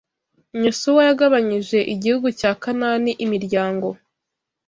NYosuwa yagabanyije igihugu cya Kanani imiryango